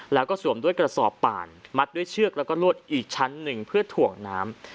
แล้วก็สวมด้วยกระสอบป่านมัดด้วยเชือกแล้วก็ลวดอีกชั้นหนึ่งเพื่อถ่วงน้ำ